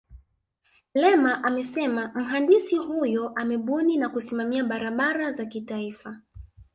Lema amesema mhandisi huyo amebuni na kusimamia barabara za kitaifa